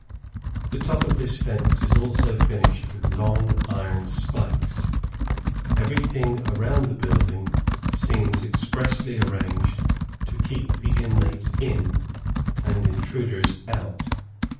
The top of this fence is also finished with long iron spikes. Every thing around the building seems expressly arranged to keep the inmates in, and intruders out.